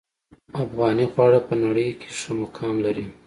افغاني خواړه په نړۍ ښه مقام لري